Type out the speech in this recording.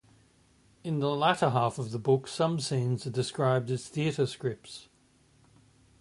In the latter half of the book some scenes are described as theater scripts.